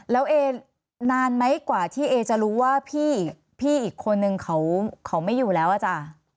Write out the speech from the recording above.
แล้วเอนานไหมกว่าที่เอจะรู้ว่าพี่อีกคนนึงเขาไม่อยู่แล้วอ่ะจ๊ะ